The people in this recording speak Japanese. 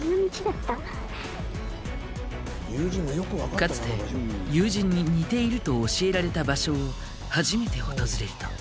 かつて友人に似ていると教えられた場所を初めて訪れると。